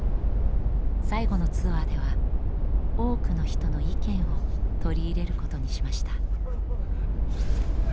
最後のツアーでは多くの人の意見を取り入れることにしました。